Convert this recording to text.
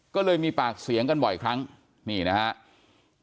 ก็เลยมีปากเสียงกันบ่อยครั้งนี่นะครับ